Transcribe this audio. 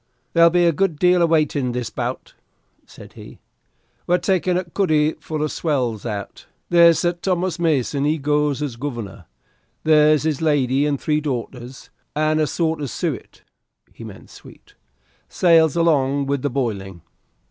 "There'll be a good deal of waiting this bout," said he; "we're taking a cuddy full of swells out. There's Sir Thomas Mason he goes as Governor; there's his lady and three daughters, and a sort of suet" (he meant suite) "sails along with the boiling."